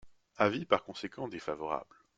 Avis par conséquent défavorable.